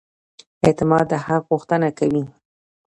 اعتماد د حق غوښتنه کوي.